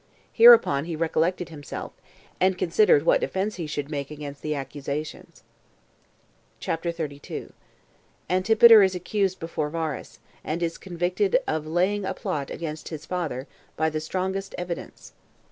Hereupon he recollected himself, and considered what defense he should make against the accusations. CHAPTER 32. Antipater Is Accused Before Varus, And Is Convicted Of Laying A Plot [Against His Father] By The Strongest Evidence.